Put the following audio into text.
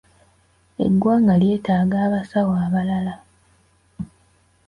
Eggwanga lyeetaaga abasawo abalala.